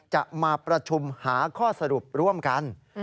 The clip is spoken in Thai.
จะมาประชุมหาข้อสรุปร่วมกัน